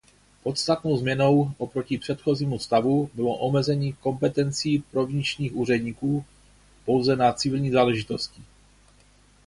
Podstatnou změnou oproti předchozímu stavu bylo omezení kompetencí provinčních úředníků pouze na civilní záležitosti.